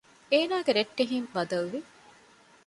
އޭނާގެ ރައްޓެހިން ބަދަލުވި